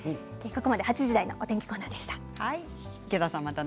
８時台のお天気コーナーでした。